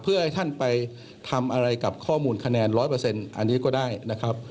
เพื่อให้ท่านไปทำอะไรกับข้อมูลคะแนน๑๐๐อันนี้ก็ได้นะครับ